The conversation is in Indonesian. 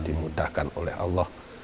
dimudahkan oleh allah